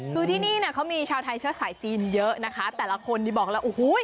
คือที่นี่เนี่ยเขามีชาวไทยเชื้อสายจีนเยอะนะคะแต่ละคนที่บอกแล้วโอ้โห